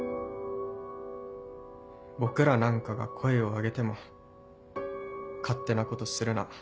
僕らなんかが声を上げても「勝手なことするな」